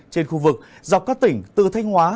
trên khu vực dọc các tỉnh từ thách hóa